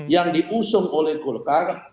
yang diusung oleh golkar